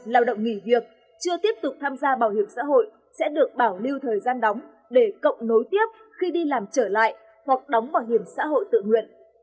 lao động nghỉ việc chưa tiếp tục tham gia bảo hiểm xã hội sẽ được bảo lưu thời gian đóng để cộng nối tiếp khi đi làm trở lại hoặc đóng bảo hiểm xã hội tự nguyện